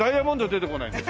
出てこないです。